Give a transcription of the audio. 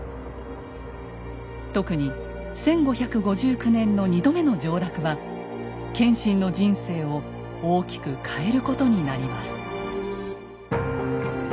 特に１５５９年の２度目の上洛は謙信の人生を大きく変えることになります。